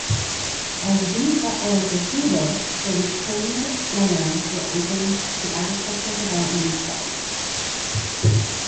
As these wetlands receded, the reclaimed lands were opened to agricultural development and settlement.